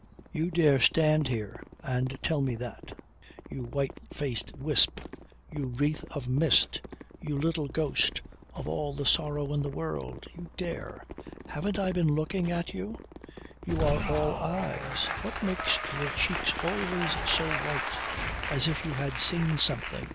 You dare stand here and tell me that you white faced wisp, you wreath of mist, you little ghost of all the sorrow in the world. You dare! Haven't I been looking at you? You are all eyes. What makes your cheeks always so white as if you had seen something